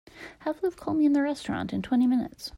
Have Liv call me in the restaurant in twenty minutes.